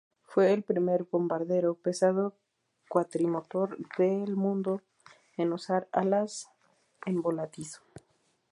Fue el primer bombardero pesado cuatrimotor del mundo en usar alas en voladizo.